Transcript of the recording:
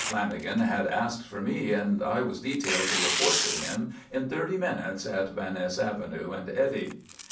Lanagan had asked for me, and I was detailed to report to him in thirty minutes at Van Ness Avenue and Eddy.